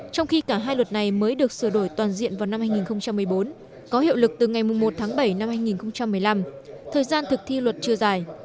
trong khi cả hai luật này mới được sửa đổi toàn diện vào năm hai nghìn một mươi bốn có hiệu lực từ ngày một tháng bảy năm hai nghìn một mươi năm thời gian thực thi luật chưa dài